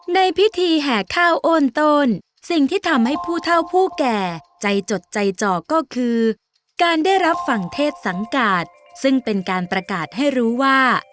ในพิธีแห่ข้าวโอนโตนสิ่งที่ทำให้ผู้เท่าผู้แก่ใจจดใจจ่อก็คือการได้รับฝั่งเทศสังกาศซึ่งเป็นการประกาศให้รู้ว่า